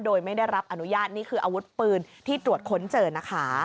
โดยไม่ได้รับอนุญาตนี่คืออาวุธปืนที่ตรวจค้นเจอนะคะ